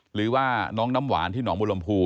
หรือว่าน้องน้ำหวานที่หนองบุรมภู